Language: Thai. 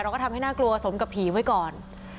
ก็ทำให้น่ากลัวสมกับผีไว้ก่อน